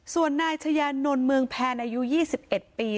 ส่วนนายชายานนท์เมืองแพนอายุ๒๑ปี